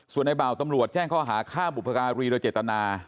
ส่วนในบ่าวตำรวจแจ้งข้อหาฆ่าบุพการีโดยเจตนา